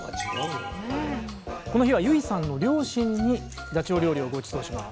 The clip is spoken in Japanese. この日は優衣さんの両親にダチョウ料理をごちそうします